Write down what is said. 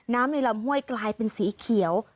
ในลำห้วยกลายเป็นสีเขียว